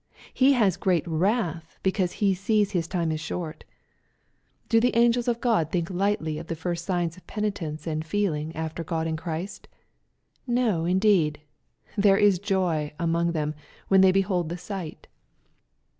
He has great wrath, because he sees his time is short. — Do the angels of God think lightly of the first signs of penitence and feeling after God in Christ ? No 1 indeed 1 " there is joy" among them, when they behold the sight.